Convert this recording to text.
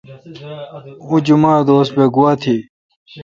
اوں جمعہ دوس بہ گوا تھی۔